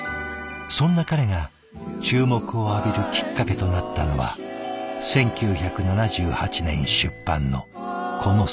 そんな彼が注目を浴びるきっかけとなったのは１９７８年出版のこの作品。